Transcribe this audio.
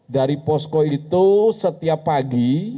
dari posko itu setiap pagi